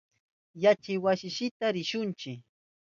Yachaywasinchita rishunchi.